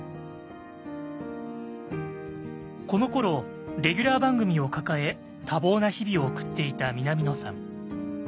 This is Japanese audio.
このころレギュラー番組を抱え多忙な日々を送っていた南野さん。